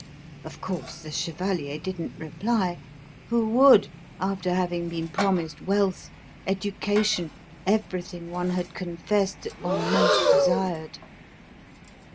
Of course, the chevalier didn't reply. Who would, after having been promised wealth, education, everything one had confessed that one most desired?